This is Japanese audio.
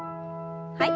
はい。